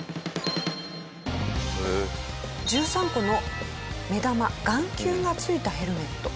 １３個の目玉眼球が付いたヘルメット。